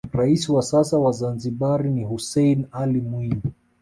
raisi wa sasa wa zanzibar ni hussein alli mwinyi